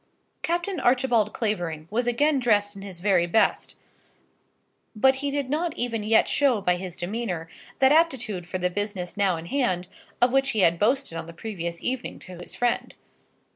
Captain Archibald Clavering was again dressed in his very best, but he did not even yet show by his demeanour that aptitude for the business now in hand of which he had boasted on the previous evening to his friend.